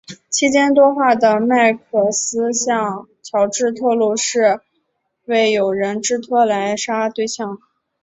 期间多话的麦克斯向乔治透露是受友人之托来杀对象。